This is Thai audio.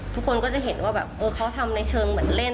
ทุกคนก็จะเห็นว่าแบบเออเขาทำในเชิงเหมือนเล่น